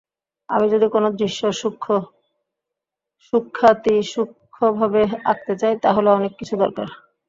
আমি যদি কোনো দৃশ্য সূক্ষ্মাতিসূক্ষ্মভাবে আঁকতে চাই, তাহলে অনেক কিছু দরকার।